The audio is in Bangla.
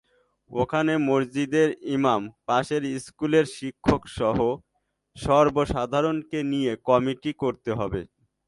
ওখানে মসজিদের ইমাম, পাশের স্কুলের শিক্ষকসহ সর্বসাধারণকে নিয়ে কমিটি করতে হবে।